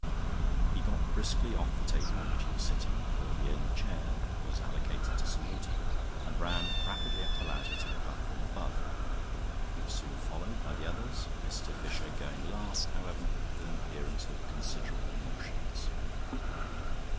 He got briskly off the table on which he was sitting (for the only chair was allotted to Sir Walter) and ran rapidly up the ladder to the platform above. He was soon followed by the others, Mr. Fisher going last, however, with an appearance of considerable nonchalance.